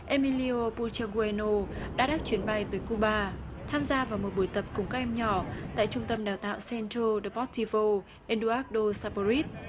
emilio puchegueno đã đáp chuyến bay tới cuba tham gia vào một buổi tập cùng các em nhỏ tại trung tâm đào tạo centro deportivo enduardo saporiz